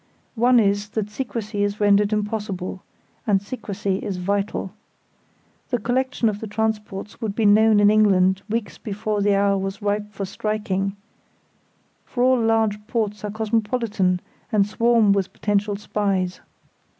One is that secrecy is rendered impossible—and secrecy is vital. The collection of the transports would be known in England weeks before the hour was ripe for striking; for all large ports are cosmopolitan and swarm with potential spies.